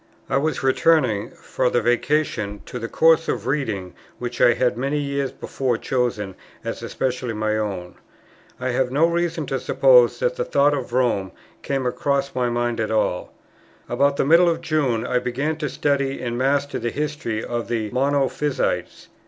I was returning, for the Vacation, to the course of reading which I had many years before chosen as especially my own. I have no reason to suppose that the thoughts of Rome came across my mind at all. About the middle of June I began to study and master the history of the Monophysites.